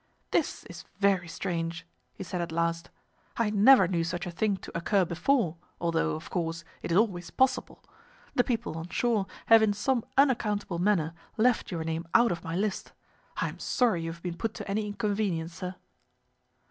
"This is very strange," he said at last. "I never knew such a thing to occur before, although, of course, it is always possible. The people on shore have in some unaccountable manner left your name out of my list. I am sorry you have been put to any inconvenience, sir."